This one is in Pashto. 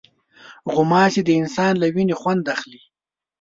غوماشې د انسان له وینې خوند اخلي.